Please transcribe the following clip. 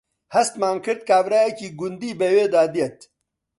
هەستمان کرد کابرایەکی گوندی بەوێدا دێت